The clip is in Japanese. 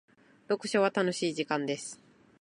読書は楽しい時間です。